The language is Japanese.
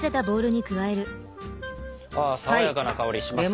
あ爽やかな香りしますね。